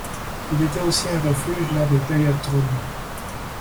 Il était aussi un refuge lors des périodes troubles.